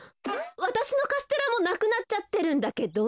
わたしのカステラもなくなっちゃってるんだけど。